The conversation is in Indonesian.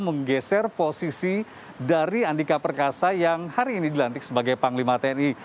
menggeser posisi dari andika perkasa yang hari ini dilantik sebagai panglima tni